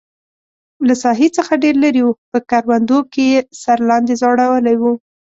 له ساحې څخه ډېر لرې و، په کروندو کې یې سر لاندې ځړولی و.